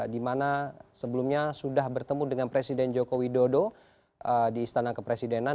di mana sebelumnya sudah bertemu dengan presiden joko widodo di istana kepresidenan